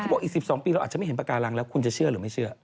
บอกอีก๑๒ปีเราอาจจะไม่เห็นปากการังแล้วคุณจะเชื่อหรือไม่เชื่อ